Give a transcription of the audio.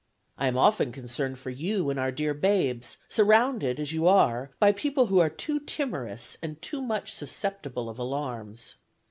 I am often concerned for you and our dear babes, surrounded, as you are, by people who are too timorous and too much susceptible of alarms.